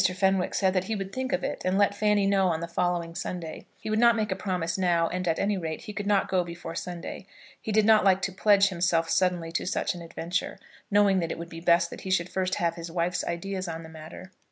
Fenwick said that he would think of it, and let Fanny know on the following Sunday. He would not make a promise now, and at any rate he could not go before Sunday. He did not like to pledge himself suddenly to such an adventure, knowing that it would be best that he should first have his wife's ideas on the matter.